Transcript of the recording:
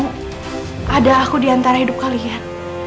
karena aku diantara hidup kalian